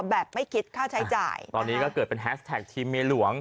แบบไม่คิดค่าใช้จ่ายตอนนี้ก็เกิดเป็นแฮสแท็กทีมเมียหลวง